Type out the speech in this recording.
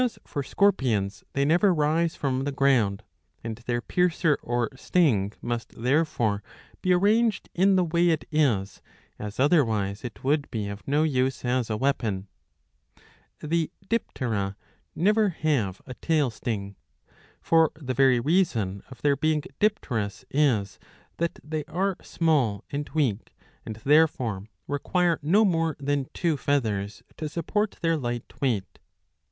As for scorpions, they never rise from the ground, and their piercer or sting must therefore be arranged in the way it is, as otherwise it would be of no use as a weapon.^^ The Diptera never have a tail sting. ^^ For the very reason of their being dipterous is that they are small and weak, and therefore require no rnore than two feathers to support their light weight.